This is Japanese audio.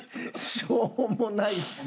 しょうもないですよ。